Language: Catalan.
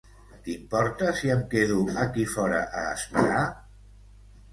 T'importa si em quedo aquí fora a esperar?